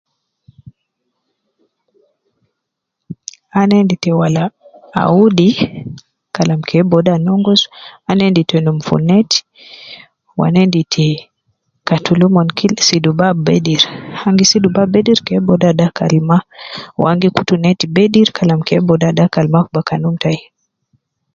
Ana endi te wala audi, kalam ke booda nongus, ana endi te num fi neti, wu ana endi te katulu omon kil, sidu bab bedir, an gi sidu bab bedir ke booda dakal ma ,wu an gi kutu neti bedir kalam ke booda dakal ma fi bakanum tai